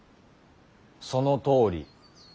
そのとおり。